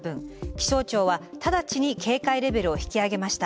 気象庁は直ちに警戒レベルを引き上げました。